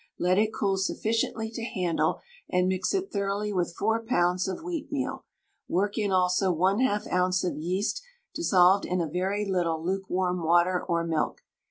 Let it cool sufficiently to handle, and mix it thoroughly with 4 lbs. of wheatmeal; work in also 1/2 oz. of yeast dissolved in a very little lukewarm water or milk.